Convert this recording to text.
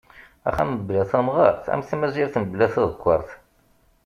Axxam mebla tamɣert am tmazirt mebla tadekkaṛt.